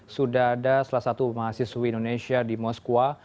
sudah ada salah satu mahasiswi indonesia di moskwa